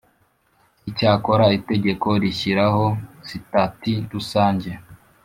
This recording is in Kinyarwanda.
Icyakora itegeko rishyiraho sitati rusange